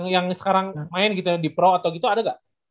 yang sekarang main gitu di pro atau gitu ada nggak